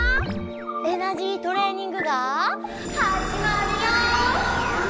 エナジートレーニングがはじまるよ！